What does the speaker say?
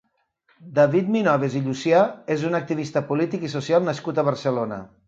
David Minoves i Llucià és un activista polític i social nascut a Barcelona.